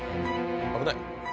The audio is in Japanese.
危ない。